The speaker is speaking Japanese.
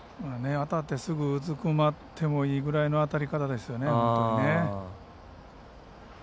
当たってすぐうずくまってもいいぐらいの当たり方でしたよね。